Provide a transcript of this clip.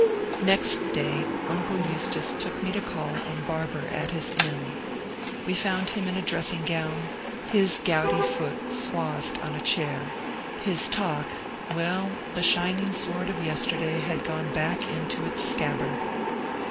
Next day uncle Eustace took me to call on Barbour at his inn. We found him in a dressing gown, his gouty foot swathed on a chair, his talk, — well, the shining sword of yesterday had gone back to its scabbard.